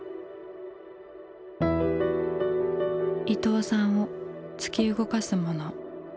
伊藤さんを突き動かすもの。